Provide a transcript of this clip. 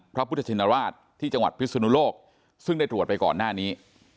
พระพุทธชินราชที่จังหวัดพิศนุโลกซึ่งได้ตรวจไปก่อนหน้านี้